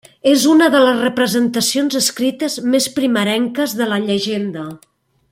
És una de les representacions escrites més primerenques de la llegenda.